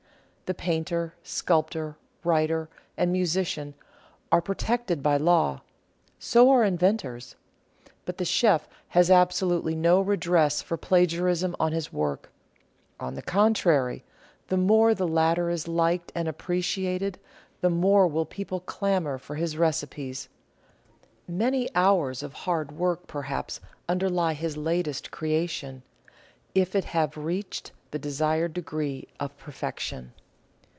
The painter, sculptor, writer and musician are protected by law. So are inventors. But the chef has absolutely no redress for plagiarism on his work ; on the contrary, the more the latter is liked and appreciated, the more will people clamour for his recipes. Many hours of hard work perhaps underlie his latest creation, if it have reached the desired degree of perfection.